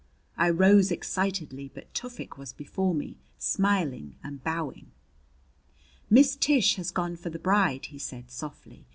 I rose excitedly, but Tufik was before me, smiling and bowing. "Miss Tish has gone for the bride," he said softly.